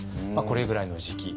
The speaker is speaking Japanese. これぐらいの時期。